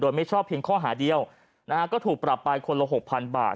โดยไม่ชอบเพียงข้อหาเดียวนะฮะก็ถูกปรับไปคนละหกพันบาท